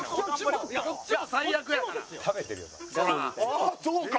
あっそうか！